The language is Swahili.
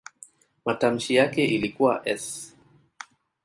Matamshi yake ilikuwa "s".